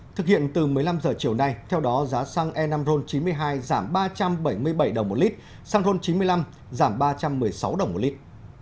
thực hiện từ một mươi năm h chiều nay theo đó giá xăng e năm ron chín mươi hai giảm ba trăm bảy mươi bảy đồng một lít xăng ron chín mươi năm giảm ba trăm một mươi sáu đồng một lít